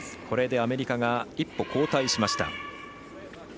これでアメリカが一歩、後退しました。